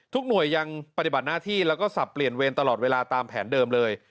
หน่วยยังปฏิบัติหน้าที่แล้วก็สับเปลี่ยนเวรตลอดเวลาตามแผนเดิมเลย